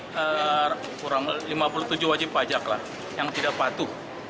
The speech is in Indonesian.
kurang lima puluh tujuh wajib pajak lah yang tidak patuh